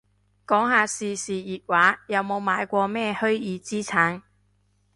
講下時事熱話，有冇買過咩虛擬資產